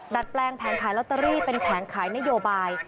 ดัดแปลงแผงขายลอตเตอรี่เป็นแผงขายนโยบาย